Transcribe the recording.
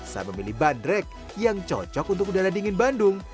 saat memilih bandrek yang cocok untuk udara dingin bandung